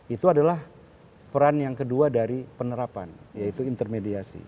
itu adalah peran yang kedua dari penerapan yaitu intermediasi